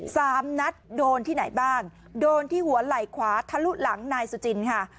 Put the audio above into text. สามนัดโดนที่ไหนบ้างโดนที่หัวไหล่ขวาทะลุหลังนายสุจินค่ะ